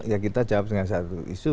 ya kita jawab dengan satu isu